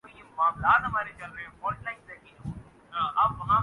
یہ جو ہمارے ماحولیات کے مشیر ہیں۔